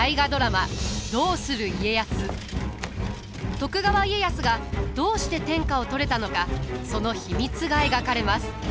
徳川家康がどうして天下を取れたのかその秘密が描かれます。